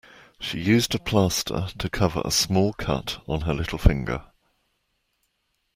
She used a plaster to cover a small cut on her little finger